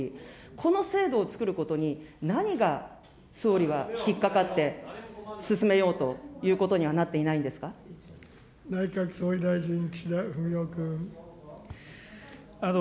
この制度を作ることに、何が、総理は引っ掛かって、進めようということにはなっていないんです内閣総理大臣、岸田文雄君。